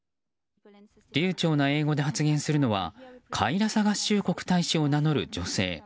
流暢な英語で発言するのはカイラサ合衆国大使を名乗る女性。